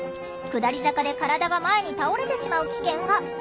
下り坂で体が前に倒れてしまう危険が。